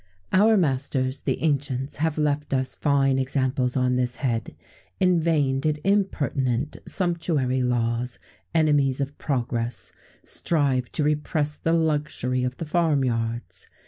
Our masters, the ancients, have left us fine examples on this head. In vain did impertinent sumptuary laws, enemies of progress, strive to repress the luxury of the farm yards.